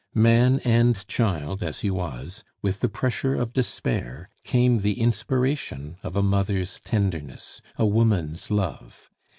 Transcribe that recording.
Man and child as he was, with the pressure of despair came the inspiration of a mother's tenderness, a woman's love.